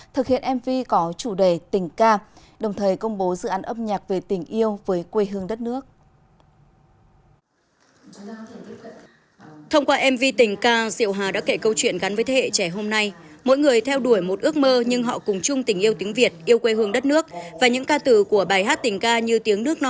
thực hiện mv có chủ đề tình ca đồng thời công bố dự án âm nhạc về tình yêu với quê hương đất nước